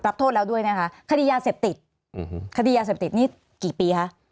รับโทษแล้วด้วยนะคะคดียาเสพติดคดียาเสพติดนี่กี่ปีคะ